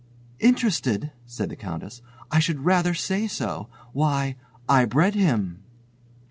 "Interested!" said the Countess. "I should rather say so. Why, I bred him!"